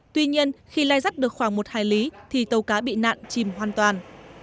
tuy nhiên khi lai dắt được khoảng một hải lý thì tàu cá bị nạn chìm hoàn toàn